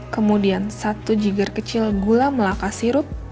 kemudian satu jiger kecil gula melaka sirup